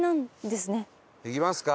行きますか？